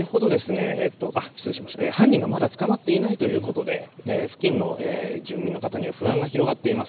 犯人がまだ捕まっていないということで付近の住民の方には不安が広がっています。